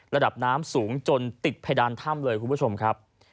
ระดับน้ำสูงจนติดเพดานถ้ำเลยคุณผู้ชมครับ